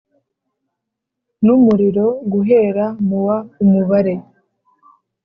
N umuriro guhera mu wa umubare